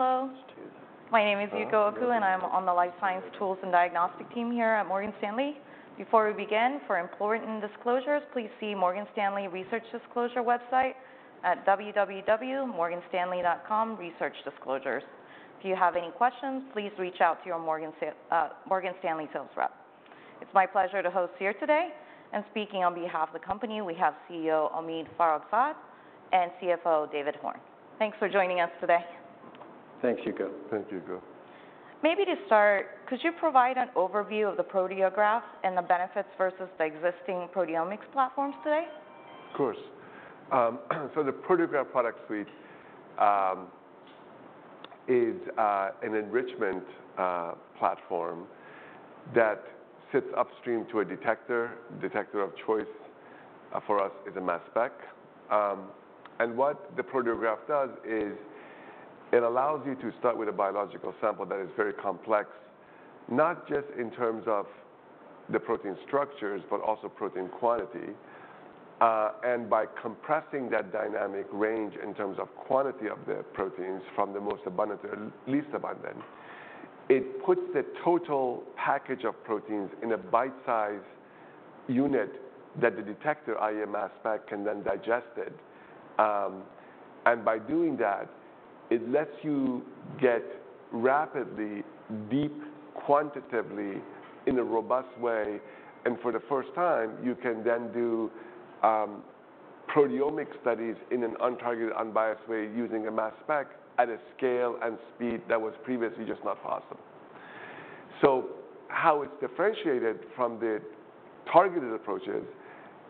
Hello, my name is Yuko Oku, and I'm on the Life Science Tools and Diagnostic team here at Morgan Stanley. Before we begin, for important disclosures, please see Morgan Stanley Research Disclosure website at www.morganstanley.com/researchdisclosures. If you have any questions, please reach out to your Morgan Stanley sales rep. It's my pleasure to host here today, and speaking on behalf of the company, we have CEO, Omid Farokhzad, and CFO, David Horn. Thanks for joining us today. Thanks, Yuko. Thank you, Yuko. Maybe to start, could you provide an overview of the Proteograph and the benefits versus the existing proteomics platforms today? Of course. So the Proteograph product suite is an enrichment platform that sits upstream to a detector. Detector of choice for us is a mass spec. And what the Proteograph does is, it allows you to start with a biological sample that is very complex, not just in terms of the protein structures, but also protein quantity. And by compressing that dynamic range in terms of quantity of the proteins from the most abundant to least abundant, it puts the total package of proteins in a bite-size unit that the detector, i.e., mass spec can then digest it. And by doing that, it lets you get rapidly deep quantitatively in a robust way, and for the first time, you can then do proteomic studies in an untargeted, unbiased way using a mass spec at a scale and speed that was previously just not possible. So how it's differentiated from the targeted approaches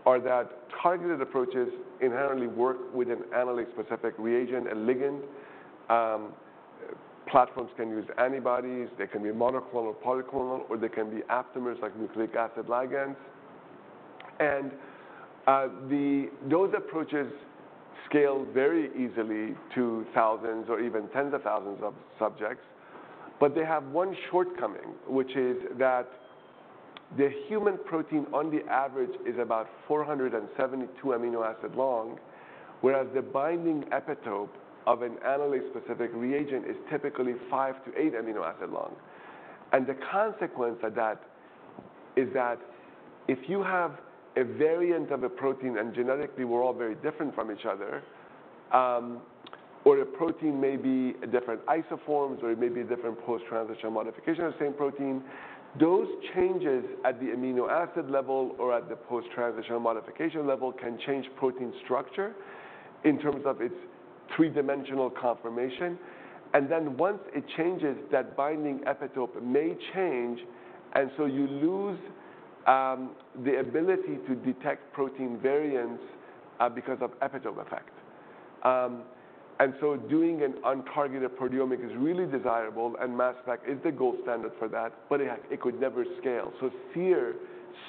are that targeted approaches inherently work with an analyte-specific reagent, a ligand. Platforms can use antibodies, they can be monoclonal or polyclonal, or they can be aptamers, like nucleic acid ligands. And those approaches scale very easily to thousands or even tens of thousands of subjects, but they have one shortcoming, which is that the human protein, on the average, is about four hundred and seventy-two amino acid long, whereas the binding epitope of an analyte-specific reagent is typically five to eight amino acid long. And the consequence of that is that if you have a variant of a protein, and genetically, we're all very different from each other, or a protein may be different isoforms, or it may be a different post-translational modification of the same protein, those changes at the amino acid level or at the post-translational modification level can change protein structure in terms of its three-dimensional conformation. And then once it changes, that binding epitope may change, and so you lose the ability to detect protein variants because of epitope effect. And so doing an untargeted proteomics is really desirable, and mass spec is the gold standard for that, but it could never scale. Seer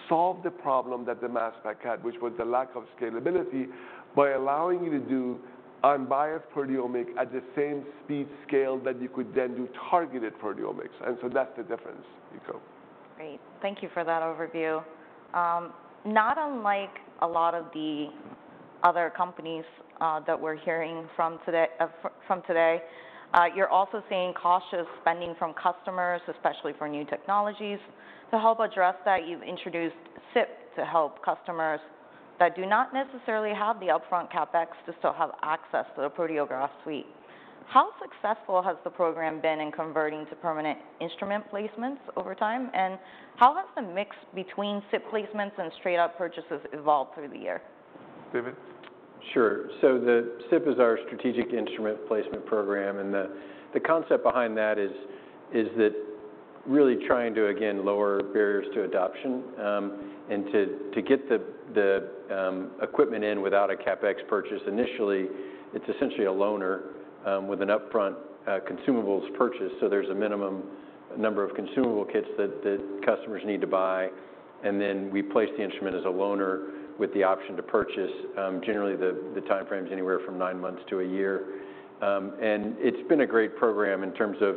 solved the problem that the mass spec had, which was the lack of scalability, by allowing you to do unbiased proteomics at the same speed scale that you could then do targeted proteomics, and so that's the difference, Yuko. Great. Thank you for that overview. Not unlike a lot of the other companies that we're hearing from today, you're also seeing cautious spending from customers, especially for new technologies. To help address that, you've introduced SIP to help customers that do not necessarily have the upfront CapEx to still have access to the Proteograph suite. How successful has the program been in converting to permanent instrument placements over time, and how has the mix between SIP placements and straight-up purchases evolved through the year? David? Sure. So the SIP is our Strategic Instrument Placement program, and the concept behind that is that really trying to, again, lower barriers to adoption, and to get the equipment in without a CapEx purchase. Initially, it's essentially a loaner, with an upfront consumables purchase, so there's a minimum number of consumable kits that customers need to buy, and then we place the instrument as a loaner with the option to purchase. Generally, the timeframe is anywhere from nine months to a year. And it's been a great program in terms of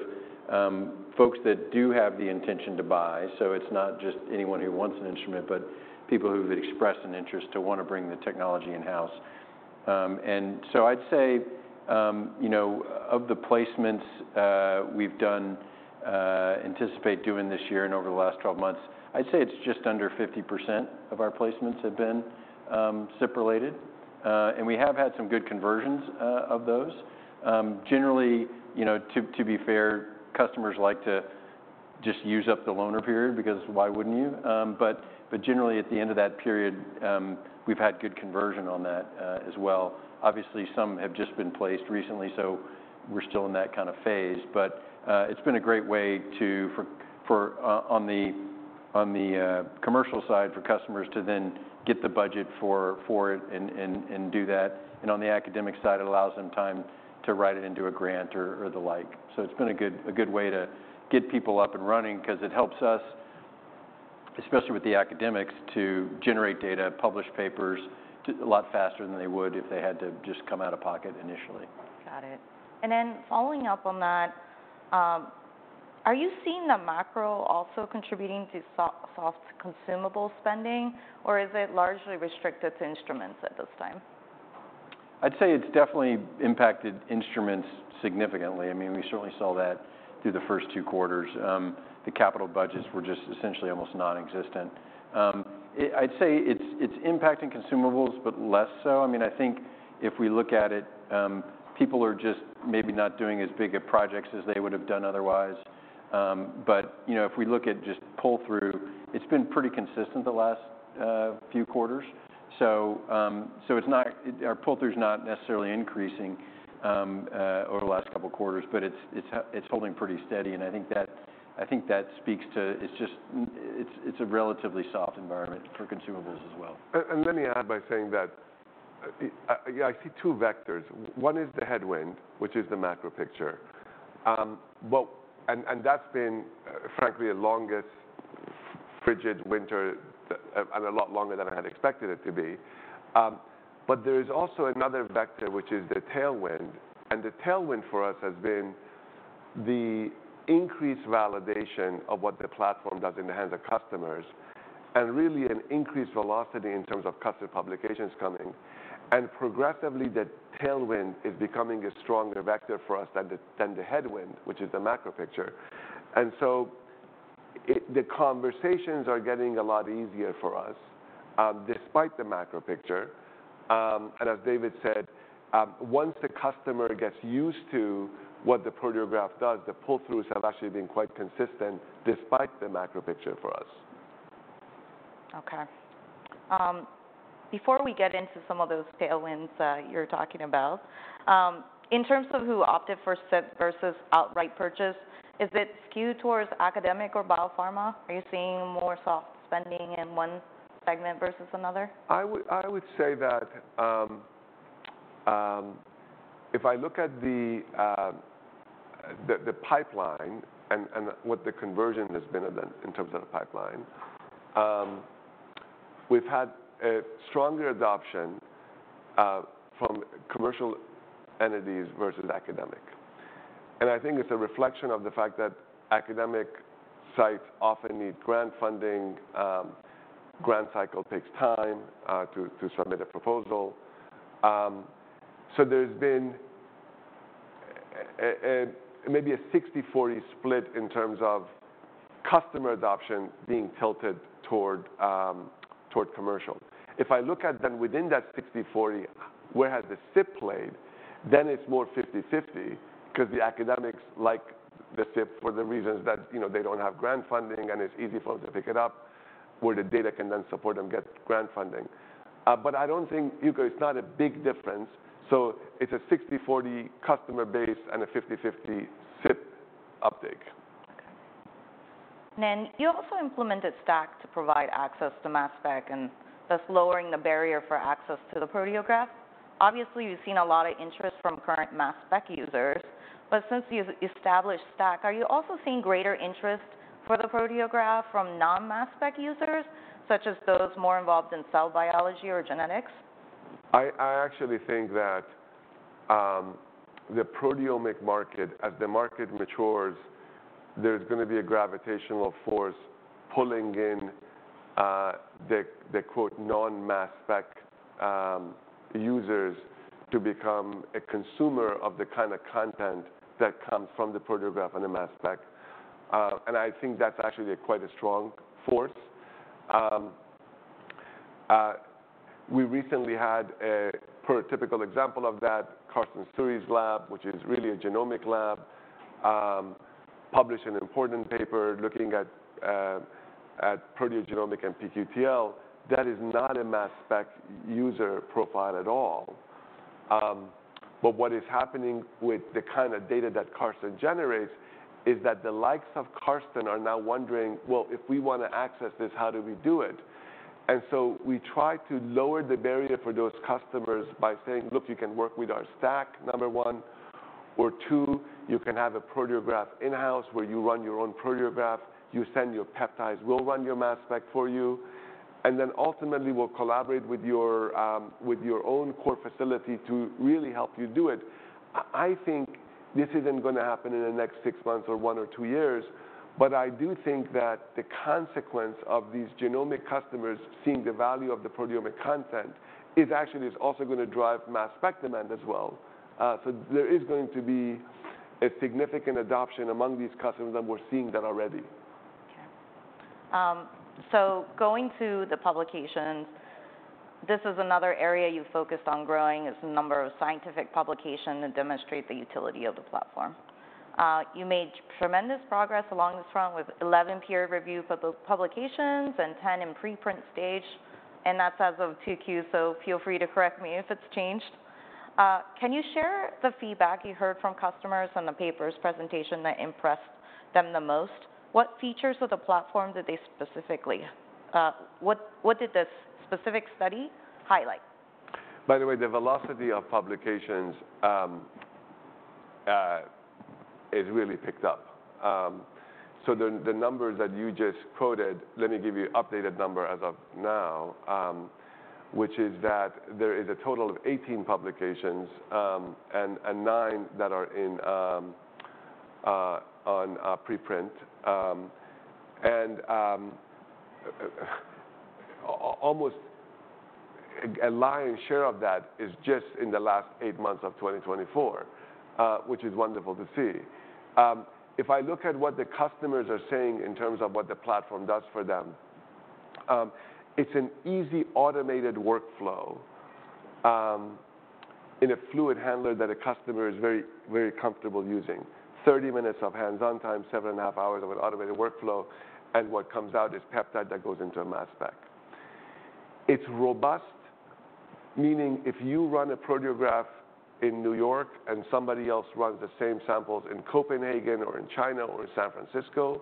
folks that do have the intention to buy, so it's not just anyone who wants an instrument, but people who've expressed an interest to wanna bring the technology in-house. And so I'd say, you know, of the placements we've done, anticipate doing this year and over the last twelve months, I'd say it's just under 50% of our placements have been SIP-related, and we have had some good conversions of those. Generally, you know, to be fair, customers like to just use up the loaner period, because why wouldn't you? But generally, at the end of that period, we've had good conversion on that, as well. Obviously, some have just been placed recently, so we're still in that kind of phase. But it's been a great way to... for, on the commercial side, for customers to then get the budget for it and do that. And on the academic side, it allows them time to write it into a grant or the like. So it's been a good way to get people up and running because it helps us, especially with the academics, to generate data, publish papers a lot faster than they would if they had to just come out of pocket initially. Got it. And then following up on that, are you seeing the macro also contributing to soft consumable spending, or is it largely restricted to instruments at this time? I'd say it's definitely impacted instruments significantly. I mean, we certainly saw that through the first two quarters. The capital budgets were just essentially almost non-existent. I'd say it's impacting consumables, but less so. I mean, I think if we look at it, people are just maybe not doing as big of projects as they would have done otherwise. But, you know, if we look at just pull-through, it's been pretty consistent the last few quarters. Our pull-through's not necessarily increasing over the last couple quarters, but it's holding pretty steady, and I think that speaks to. It's just, it's a relatively soft environment for consumables as well. And let me add by saying that, yeah, I see two vectors. One is the headwind, which is the macro picture. But and that's been, frankly, the longest frigid winter and a lot longer than I had expected it to be. But there is also another vector, which is the tailwind, and the tailwind for us has been the increased validation of what the platform does in the hands of customers, and really an increased velocity in terms of customer publications coming. And progressively, the tailwind is becoming a stronger vector for us than the headwind, which is the macro picture. And so the conversations are getting a lot easier for us, despite the macro picture. And as David said, once the customer gets used to what the Proteograph does, the pull-throughs have actually been quite consistent despite the macro picture for us. Okay. Before we get into some of those tailwinds, you're talking about, in terms of who opted for SIP versus outright purchase, is it skewed towards academic or biopharma? Are you seeing more soft spending in one segment versus another? I would say that if I look at the pipeline and what the conversion has been in terms of the pipeline, we've had a stronger adoption from commercial entities versus academic. And I think it's a reflection of the fact that academic sites often need grant funding, grant cycle takes time to submit a proposal. So there's been a maybe a 60-40 split in terms of customer adoption being tilted toward commercial. If I look at then within that 60-40, where has the SIP played? Then it's more 50-50, 'cause the academics like the SIP for the reasons that, you know, they don't have grant funding, and it's easy for them to pick it up, where the data can then support them get grant funding. But I don't think, Yuko, it's not a big difference, so it's a 60-40 customer base and a 50-50 SIP uptake. Okay. Then, you also implemented STAC to provide access to mass spec, and thus lowering the barrier for access to the Proteograph. Obviously, you've seen a lot of interest from current mass spec users, but since you've established STAC, are you also seeing greater interest for the Proteograph from non-mass spec users, such as those more involved in cell biology or genetics? I actually think that the proteomic market, as the market matures, there's gonna be a gravitational force pulling in the "non-mass spec" users to become a consumer of the kind of content that comes from the Proteograph and the mass spec. And I think that's actually quite a strong force. We recently had a prototypical example of that. Karsten Suhre's lab, which is really a genomic lab, published an important paper looking at proteogenomics and pQTL. That is not a mass spec user profile at all. But what is happening with the kind of data that Karsten generates is that the likes of Karsten are now wondering: "Well, if we want to access this, how do we do it?" And so we try to lower the barrier for those customers by saying: "Look, you can work with our STAC, number one, or two, you can have a Proteograph in-house where you run your own Proteograph. You send your peptides, we'll run your mass spec for you, and then ultimately, we'll collaborate with your own core facility to really help you do it." I think this isn't gonna happen in the next six months or one or two years, but I do think that the consequence of these genomic customers seeing the value of the proteomic content is actually also gonna drive mass spec demand as well. So there is going to be a significant adoption among these customers, and we're seeing that already. Okay. So going to the publications, this is another area you've focused on growing, is the number of scientific publication that demonstrate the utility of the platform. You made tremendous progress along this front with eleven peer-reviewed publications and ten in preprint stage, and that's as of 2Q, so feel free to correct me if it's changed. Can you share the feedback you heard from customers on the papers presentation that impressed them the most? What features of the platform did they specifically? What did this specific study highlight? By the way, the velocity of publications, it really picked up. So the numbers that you just quoted, let me give you updated number as of now, which is that there is a total of 18 publications, and 9 that are on preprint. Almost a lion's share of that is just in the last 8 months of 2024, which is wonderful to see. If I look at what the customers are saying in terms of what the platform does for them, it's an easy, automated workflow in a fluid handler that a customer is very, very comfortable using. 30 minutes of hands-on time, seven and a half hours of an automated workflow, and what comes out is peptide that goes into a mass spec. It's robust, meaning if you run a Proteograph in New York, and somebody else runs the same samples in Copenhagen or in China or in San Francisco,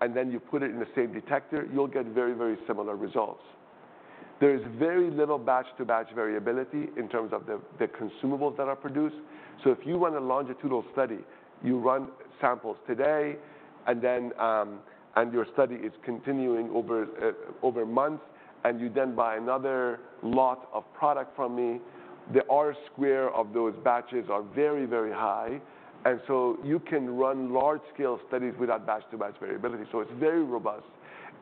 and then you put it in the same detector, you'll get very, very similar results. There is very little batch-to-batch variability in terms of the consumables that are produced, so if you run a longitudinal study, you run samples today, and then and your study is continuing over months, and you then buy another lot of product from me, the R square of those batches are very, very high, and so you can run large-scale studies without batch-to-batch variability, so it's very robust.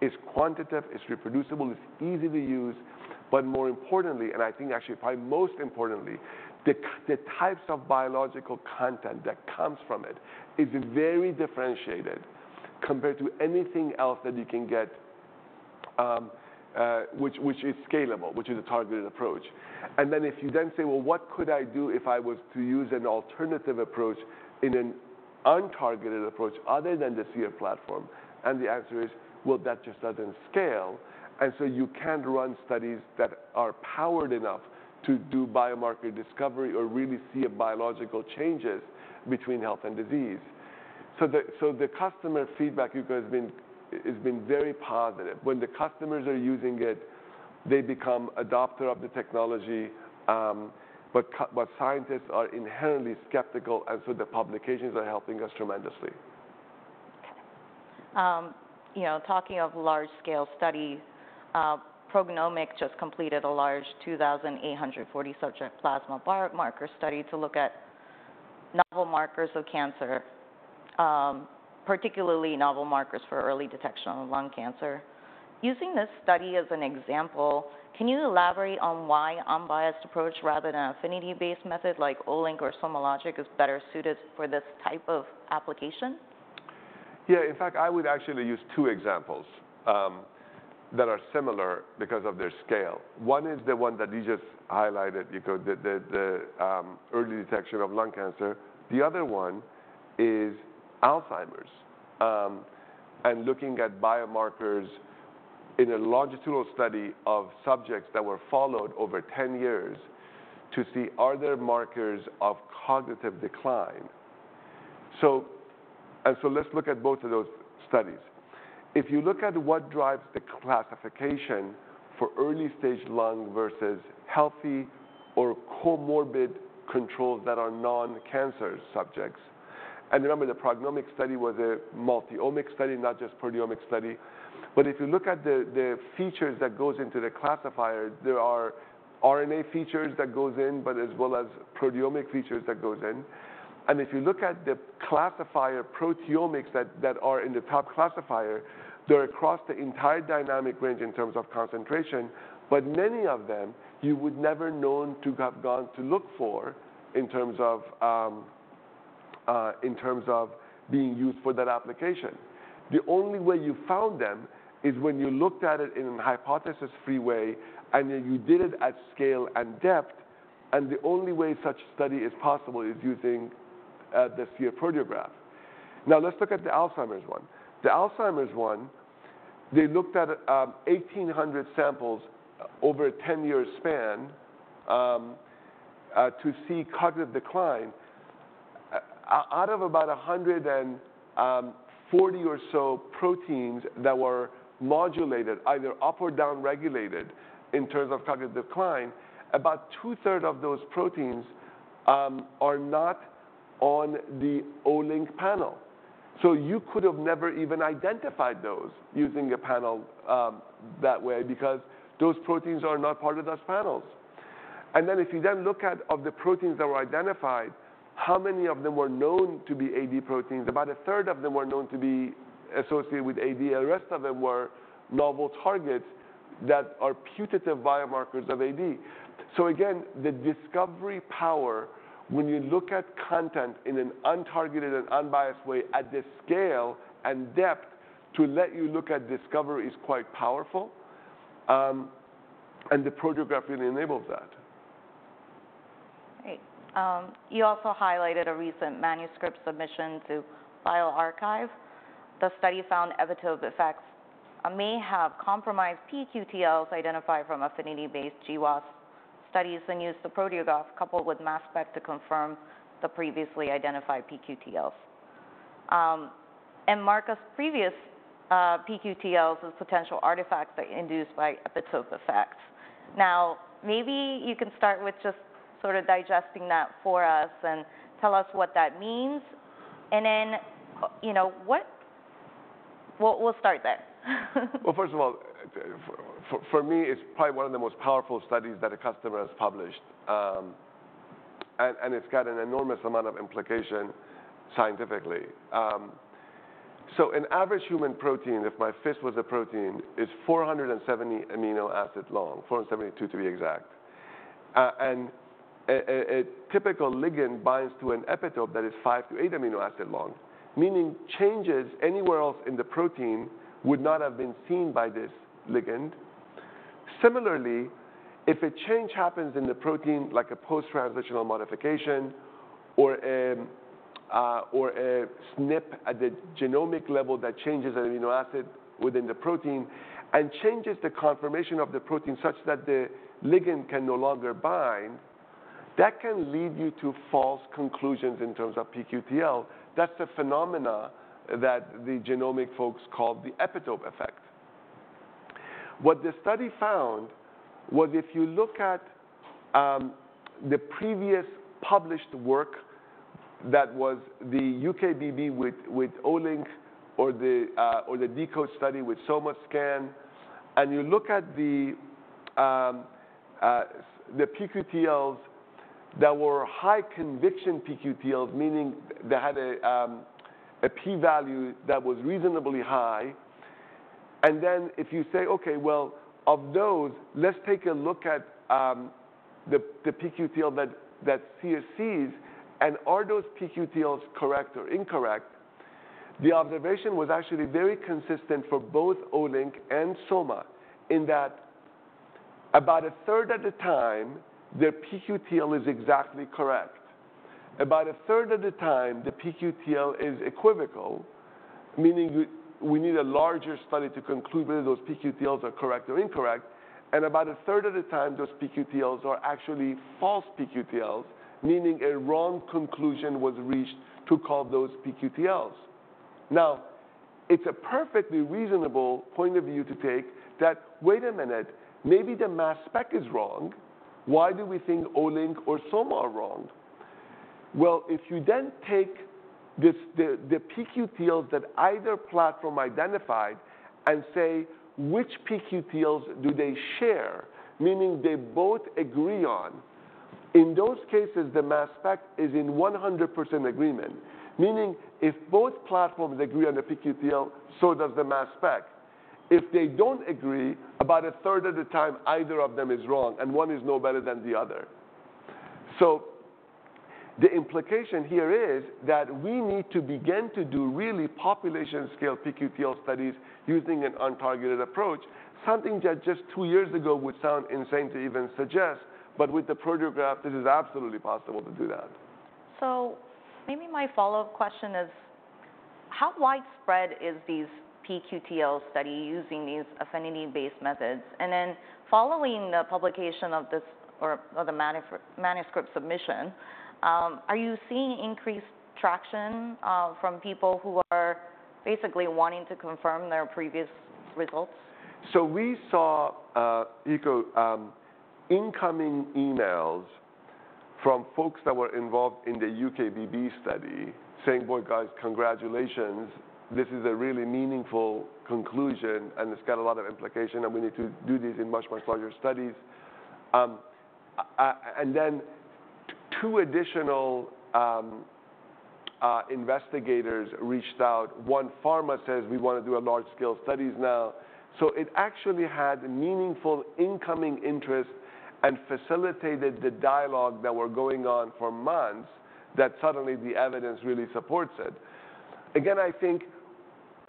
It's quantitative, it's reproducible, it's easy to use, but more importantly, and I think actually, probably most importantly, the types of biological content that comes from it is very differentiated compared to anything else that you can get, which is scalable, which is a targeted approach. And then, if you then say, "Well, what could I do if I was to use an alternative approach in an untargeted approach other than the Seer platform?" And the answer is: well, that just doesn't scale, and so you can't run studies that are powered enough to do biomarker discovery or really see a biological changes between health and disease. So the customer feedback, Yuko, has been very positive. When the customers are using it, they become adopter of the technology, but scientists are inherently skeptical, and so the publications are helping us tremendously. Okay. You know, talking of large-scale study, PrognomIQ just completed a large 2,840-subject plasma biomarker study to look at novel markers of cancer, particularly novel markers for early detection of lung cancer. Using this study as an example, can you elaborate on why unbiased approach rather than an affinity-based method like Olink or SomaLogic is better suited for this type of application? Yeah. In fact, I would actually use two examples that are similar because of their scale. One is the one that you just highlighted, Yuko, the early detection of lung cancer. The other one is Alzheimer's, and looking at biomarkers in a longitudinal study of subjects that were followed over ten years to see, are there markers of cognitive decline? And so let's look at both of those studies. If you look at what drives the classification for early-stage lung versus healthy or comorbid controls that are non-cancer subjects. And remember, the PrognomIQ study was a multi-omics study, not just proteomic study. But if you look at the features that goes into the classifier, there are RNA features that goes in, but as well as proteomic features that goes in. If you look at the classifier proteomics that are in the top classifier, they're across the entire dynamic range in terms of concentration, but many of them, you would never known to have gone to look for in terms of being used for that application. The only way you found them is when you looked at it in a hypothesis-free way, and then you did it at scale and depth, and the only way such study is possible is using the Seer Proteograph. Now, let's look at the Alzheimer's one. The Alzheimer's one, they looked at 1,800 samples over a ten-year span to see cognitive decline. Out of about a hundred and forty or so proteins that were modulated, either up or down-regulated in terms of cognitive decline, about two-thirds of those proteins are not on the Olink panel. So you could have never even identified those using a panel that way because those proteins are not part of those panels. And then, if you then look at of the proteins that were identified, how many of them were known to be AD proteins? About a third of them were known to be associated with AD, the rest of them were novel targets that are putative biomarkers of AD. So again, the discovery power, when you look at content in an untargeted and unbiased way at the scale and depth to let you look at discovery, is quite powerful, and the Proteograph really enables that. Great. You also highlighted a recent manuscript submission to bioRxiv. The study found epitope effects may have compromised pQTLs identified from affinity-based GWAS studies and used the Proteograph coupled with mass spec to confirm the previously identified pQTLs. And mark previous pQTLs as potential artifacts that induced by epitope effects. Now, maybe you can start with just sort of digesting that for us and tell us what that means. And then, we'll start there. First of all, for me, it's probably one of the most powerful studies that a customer has published. And it's got an enormous amount of implication scientifically. So an average human protein, if my fist was a protein, is four hundred and seventy amino acid long, four hundred and seventy-two to be exact. And a typical ligand binds to an epitope that is five to eight amino acid long, meaning changes anywhere else in the protein would not have been seen by this ligand. Similarly, if a change happens in the protein, like a post-translational modification or a SNP at the genomic level that changes an amino acid within the protein and changes the conformation of the protein such that the ligand can no longer bind, that can lead you to false conclusions in terms of pQTL. That's a phenomenon that the genomic folks call the epitope effect. What the study found was, if you look at the previous published work, that was the UKBB with Olink or the deCODE study with SomaScan, and you look at the pQTLs that were high-conviction pQTLs, meaning they had a P value that was reasonably high, and then if you say, "Okay, well, of those, let's take a look at the pQTL that Seer sees, and are those pQTLs correct or incorrect?" The observation was actually very consistent for both Olink and Soma, in that about a third of the time, their pQTL is exactly correct. About a third of the time, the pQTL is equivocal, meaning we need a larger study to conclude whether those pQTLs are correct or incorrect, and about a third of the time, those pQTLs are actually false pQTLs, meaning a wrong conclusion was reached to call those pQTLs. Now, it's a perfectly reasonable point of view to take that, "Wait a minute, maybe the mass spec is wrong. Why do we think Olink or Soma are wrong?" Well, if you then take this, the pQTLs that either platform identified and say, which pQTLs do they share, meaning they both agree on, in those cases, the mass spec is in 100% agreement, meaning if both platforms agree on the pQTL, so does the mass spec. If they don't agree, about a third of the time, either of them is wrong, and one is no better than the other. So the implication here is that we need to begin to do really population-scale pQTL studies using an untargeted approach, something that just two years ago would sound insane to even suggest, but with the Proteograph, it is absolutely possible to do that. So maybe my follow-up question is: How widespread is these pQTL study using these affinity-based methods? And then following the publication of this or of the manuscript submission, are you seeing increased traction from people who are basically wanting to confirm their previous results? So we saw Yuko incoming emails from folks that were involved in the UKBB study saying, "Boy, guys, congratulations. This is a really meaningful conclusion, and it's got a lot of implication, and we need to do these in much, much larger studies." And then two additional investigators reached out. One pharma says, "We wanna do a large-scale studies now." So it actually had meaningful incoming interest and facilitated the dialogue that were going on for months, that suddenly the evidence really supports it. Again, I think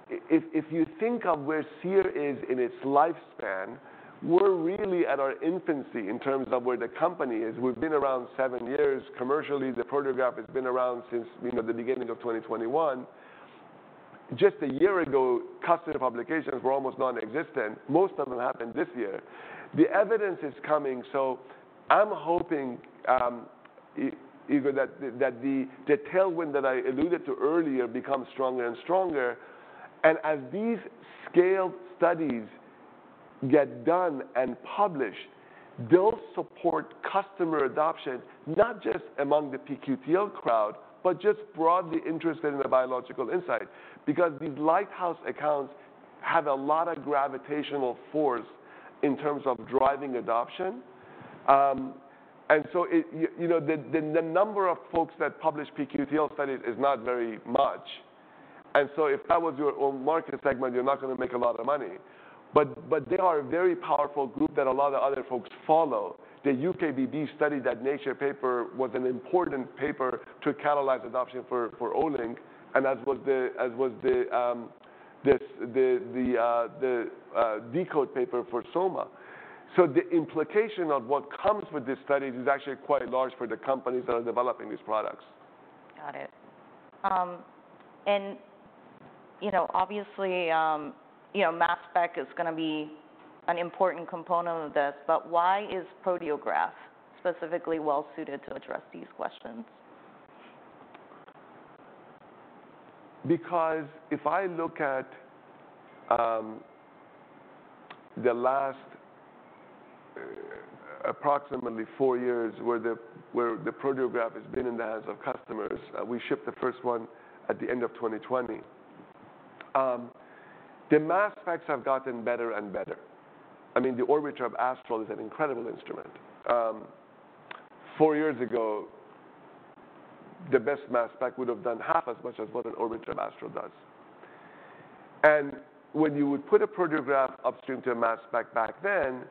if you think of where Seer is in its lifespan, we're really at our infancy in terms of where the company is. We've been around seven years. Commercially, the Proteograph has been around since, you know, the beginning of twenty twenty-one. Just a year ago, customer publications were almost non-existent. Most of them happened this year. The evidence is coming, so I'm hoping, Yuko, that the tailwind that I alluded to earlier becomes stronger and stronger, and as these scaled studies get done and published, they'll support customer adoption, not just among the pQTL crowd, but just broadly interested in the biological insight, because these lighthouse accounts have a lot of gravitational force in terms of driving adoption, and so you know, the number of folks that publish pQTL studies is not very much, and so if that was your own market segment, you're not gonna make a lot of money, but they are a very powerful group that a lot of other folks follow. The UKBB study, that Nature paper, was an important paper to catalyze adoption for Olink, and as was the deCODE paper for Soma. So the implication of what comes with these studies is actually quite large for the companies that are developing these products. Got it, and, you know, obviously, you know, mass spec is gonna be an important component of this, but why is Proteograph specifically well suited to address these questions? Because if I look at the last approximately four years, where the Proteograph has been in the hands of customers. We shipped the first one at the end of twenty twenty. The mass specs have gotten better and better. I mean, the Orbitrap Astral is an incredible instrument. Four years ago, the best mass spec would have done half as much as what an Orbitrap Astral does, and when you would put a Proteograph upstream to a mass spec back then,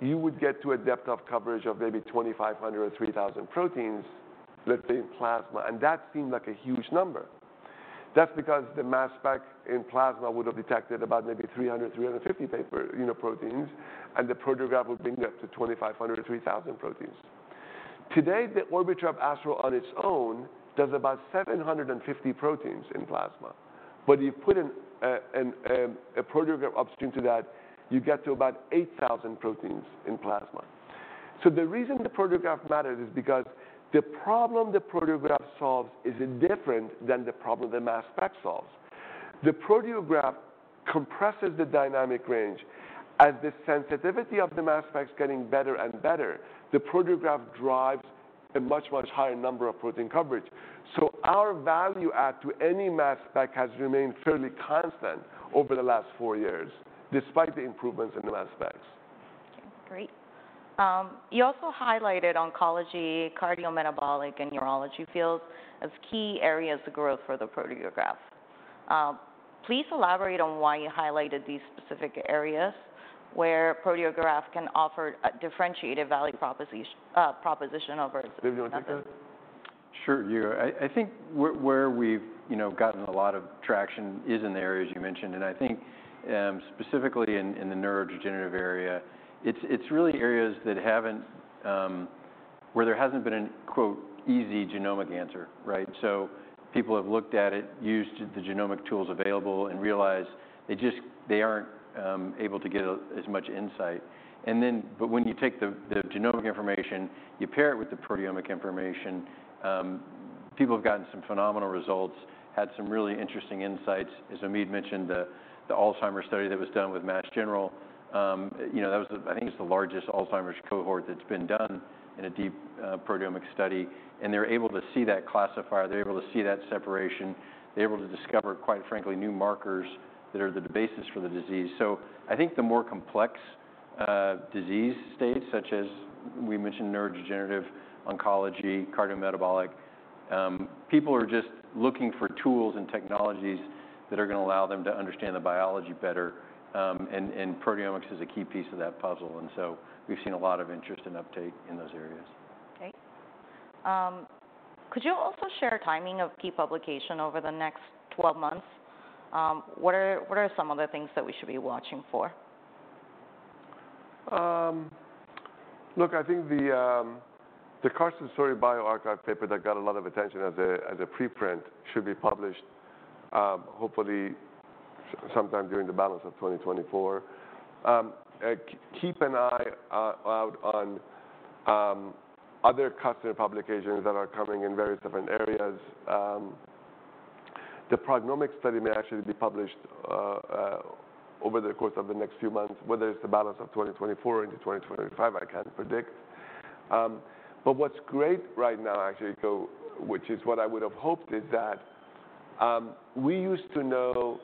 you would get to a depth of coverage of maybe twenty-five hundred or three thousand proteins, let's say, in plasma, and that seemed like a huge number. That's because the mass spec in plasma would have detected about maybe three hundred, three hundred and fifty proteins, you know, and the Proteograph would bring that to twenty-five hundred, three thousand proteins. Today, the Orbitrap Astral, on its own, does about 750 proteins in plasma. But you put in a Proteograph upstream to that, you get to about 8,000 proteins in plasma. So the reason the Proteograph matters is because the problem the Proteograph solves is different than the problem the mass spec solves. The Proteograph compresses the dynamic range. As the sensitivity of the mass spec's getting better and better, the Proteograph drives a much, much higher number of protein coverage. So our value add to any mass spec has remained fairly constant over the last four years, despite the improvements in the mass specs. Okay, great. You also highlighted oncology, cardiometabolic, and neurology fields as key areas of growth for the Proteograph. Please elaborate on why you highlighted these specific areas, where Proteograph can offer a differentiated value proposition over- David, you want to take that? Sure, sure. I think where we've you know gotten a lot of traction is in the areas you mentioned, and I think specifically in the neurodegenerative area, it's really areas where there hasn't been a quote "easy genomic answer," right? So people have looked at it, used the genomic tools available, and realized they just aren't able to get as much insight, and then but when you take the genomic information, you pair it with the proteomic information, people have gotten some phenomenal results, had some really interesting insights. As Omid mentioned, the Alzheimer's study that was done with Mass General you know that was the. I think it's the largest Alzheimer's cohort that's been done in a deep proteomic study. They're able to see that classifier, they're able to see that separation. They're able to discover, quite frankly, new markers that are the basis for the disease. So I think the more complex disease states, such as we mentioned: neurodegenerative, oncology, cardiometabolic. People are just looking for tools and technologies that are gonna allow them to understand the biology better, and proteomics is a key piece of that puzzle, and so we've seen a lot of interest and uptake in those areas. Okay. Could you also share timing of key publication over the next twelve months? What are some of the things that we should be watching for? Look, I think the Karsten Suhre bioRxiv paper that got a lot of attention as a preprint should be published, hopefully sometime during the balance of twenty twenty-four. Keep an eye out on other customer publications that are coming in various different areas. The PrognomIQ study may actually be published over the course of the next few months. Whether it's the balance of twenty twenty-four into twenty twenty-five, I can't predict. But what's great right now, actually, so which is what I would have hoped, is that we used to know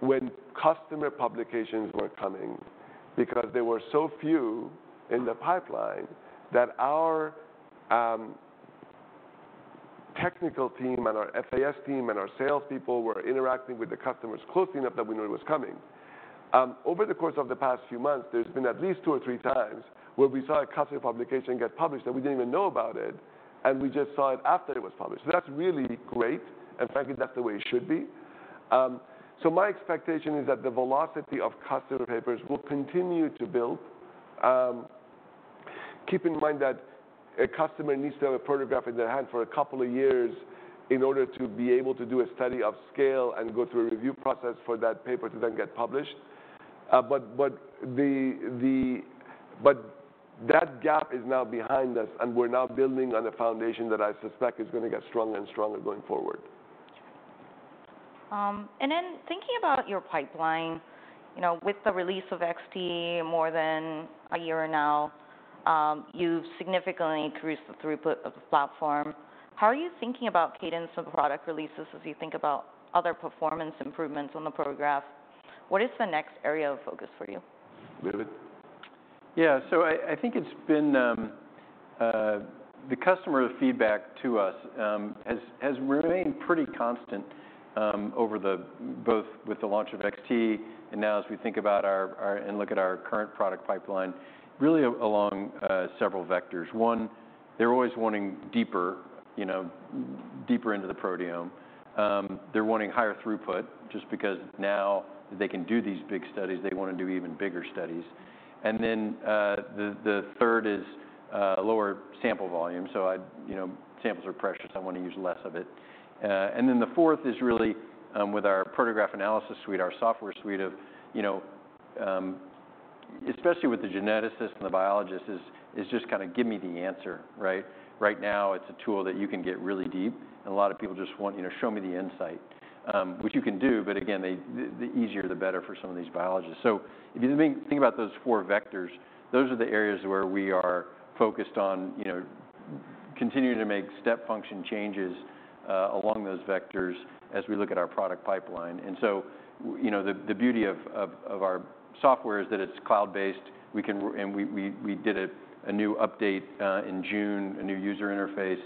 when customer publications were coming because there were so few in the pipeline that our technical team and our FAS team and our salespeople were interacting with the customers closely enough that we knew it was coming. Over the course of the past few months, there's been at least two or three times where we saw a customer publication get published, and we didn't even know about it, and we just saw it after it was published. So that's really great, and frankly, that's the way it should be. So my expectation is that the velocity of customer papers will continue to build. Keep in mind that a customer needs to have a Proteograph in their hand for a couple of years in order to be able to do a study of scale and go through a review process for that paper to then get published. But that gap is now behind us, and we're now building on a foundation that I suspect is gonna get stronger and stronger going forward. And then thinking about your pipeline, you know, with the release of XT more than a year now, you've significantly increased the throughput of the platform. How are you thinking about cadence of product releases as you think about other performance improvements on the Proteograph? What is the next area of focus for you? David? Yeah. So I think it's been. The customer feedback to us has remained pretty constant over both with the launch of XT and now as we think about our and look at our current product pipeline, really along several vectors. One, they're always wanting deeper, you know, deeper into the proteome. They're wanting higher throughput, just because now they can do these big studies, they wanna do even bigger studies. And then the third is lower sample volume, so you know, samples are precious, I wanna use less of it. And then the fourth is really with our Proteograph Analysis Suite, our software suite of, you know. Especially with the geneticists and the biologists, is just kind of give me the answer, right? Right now, it's a tool that you can get really deep, and a lot of people just want, you know, show me the insight, which you can do, but again, the easier, the better for some of these biologists. So if you think about those four vectors, those are the areas where we are focused on, you know, continue to make step function changes along those vectors as we look at our product pipeline. And so, you know, the beauty of our software is that it's cloud-based. We can. And we did a new update in June, a new user interface,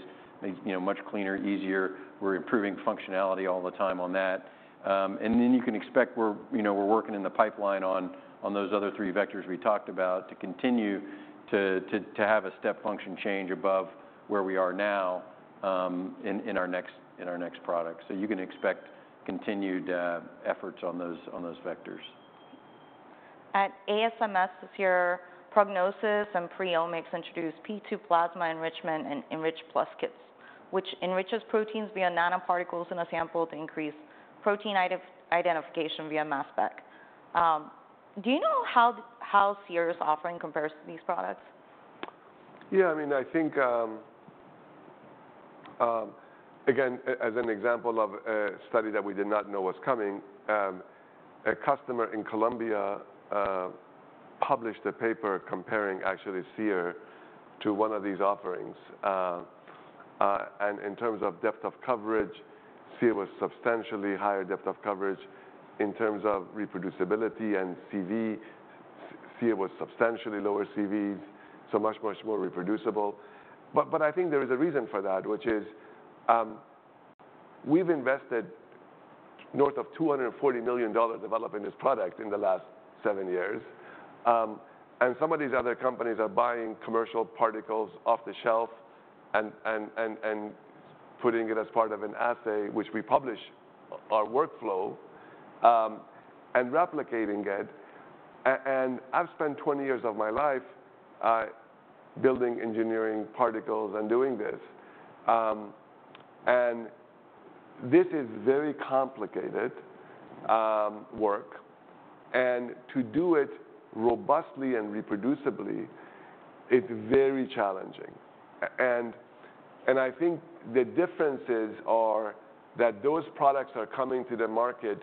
you know, much cleaner, easier. We're improving functionality all the time on that. And then you can expect we're, you know, we're working in the pipeline on those other three vectors we talked about to continue to have a step function change above where we are now, in our next product. So you can expect continued efforts on those vectors. At ASMS Seer, PrognomIQ, and PreOmics introduced P2 plasma enrichment and Enrich Plus kits, which enriches proteins via nanoparticles in a sample to increase protein identification via mass spec. Do you know how Seer's offering compares to these products? Yeah, I mean, I think. Again, as an example of a study that we did not know was coming, a customer in Colombia published a paper comparing actually Seer to one of these offerings. And in terms of depth of coverage, Seer was substantially higher depth of coverage. In terms of reproducibility and CV, Seer was substantially lower CV, so much more reproducible. But I think there is a reason for that, which is, we've invested north of $240 million developing this product in the last seven years. And some of these other companies are buying commercial particles off the shelf and putting it as part of an assay, which we publish our workflow, and replicating it. I've spent twenty years of my life building, engineering particles and doing this, and this is very complicated work, and to do it robustly and reproducibly, it's very challenging. I think the differences are that those products are coming to the market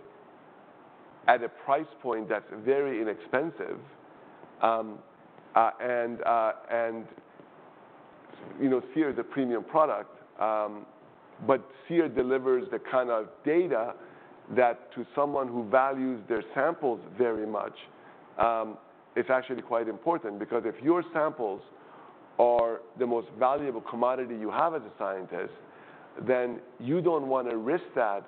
at a price point that's very inexpensive, and you know, Seer is a premium product. But Seer delivers the kind of data that, to someone who values their samples very much, it's actually quite important. Because if your samples are the most valuable commodity you have as a scientist, then you don't wanna risk that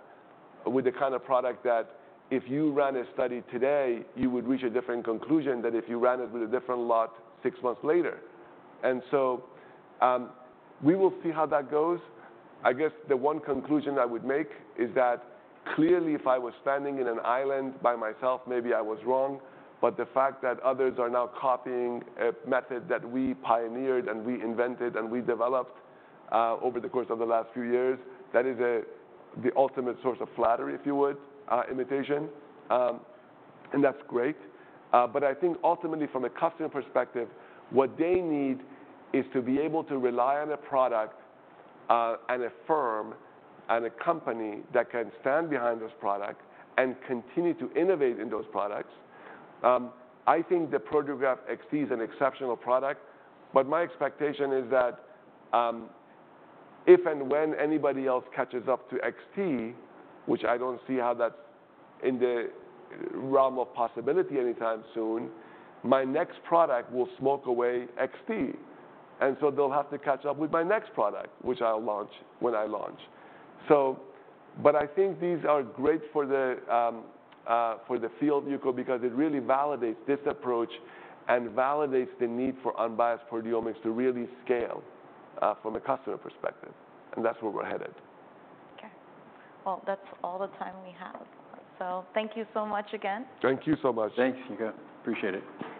with the kind of product that if you ran a study today, you would reach a different conclusion than if you ran it with a different lot six months later. We will see how that goes. I guess the one conclusion I would make is that clearly, if I was standing on an island by myself, maybe I was wrong, but the fact that others are now copying a method that we pioneered and we invented and we developed over the course of the last few years, that is the ultimate source of flattery, if you would, imitation. And that's great. But I think ultimately from a customer perspective, what they need is to be able to rely on a product and a firm, and a company that can stand behind this product and continue to innovate in those products. I think the Proteograph XT is an exceptional product, but my expectation is that, if and when anybody else catches up to XT, which I don't see how that's in the realm of possibility anytime soon, my next product will smoke away XT, and so they'll have to catch up with my next product, which I'll launch when I launch. So, but I think these are great for the field, Yuko, because it really validates this approach and validates the need for unbiased proteomics to really scale, from a customer perspective, and that's where we're headed. Okay. That's all the time we have. So thank you so much again. Thank you so much. Thanks, Yuko. Appreciate it.